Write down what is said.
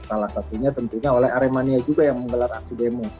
salah satunya tentunya oleh aremania juga yang menggelar aksi demo